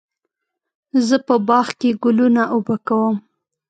زه په باغ کې ګلونه اوبه کوم.